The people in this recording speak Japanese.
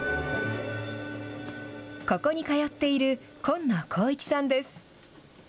ここに通っている今野幸一さんです。